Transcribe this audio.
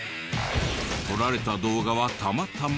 撮られた動画はたまたま？